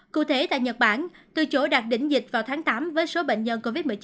cụ thể tại nhật bản từ chỗ đạt đỉnh dịch vào tháng tám với số bệnh nhân covid một mươi chín